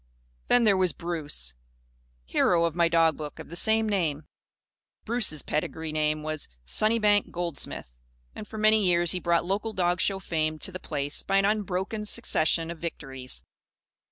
Then there was Bruce, hero of my dogbook of the same name. Bruce's "pedigree name" was Sunnybank Goldsmith; and for many years he brought local dog show fame to the Place by an unbroken succession of victories.